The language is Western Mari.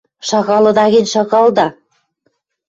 – Шагалыда гӹнь, шагалда!